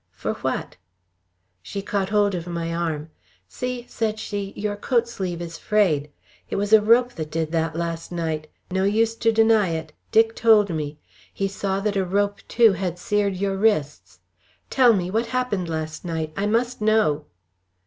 "For what?" She caught hold of my arm. "See?" she said. "Your coat sleeve is frayed. It was a rope did that last night. No use to deny it. Dick told me. He saw that a rope too had seared your wrists. Tell me! What happened last night? I must know!"